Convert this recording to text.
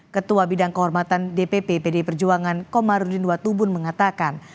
ketua bidang kehormatan dpp pdi perjuangan komarudin watubun mengatakan